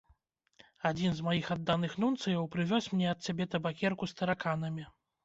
Адзін з маіх адданых нунцыяў прывёз мне ад цябе табакерку з тараканамі.